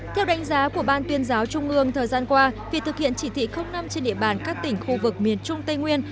theo đánh giá của ban tuyên giáo trung ương thời gian qua việc thực hiện chỉ thị năm trên địa bàn các tỉnh khu vực miền trung tây nguyên